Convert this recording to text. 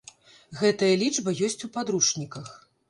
Гэтая лічба ёсць у падручніках.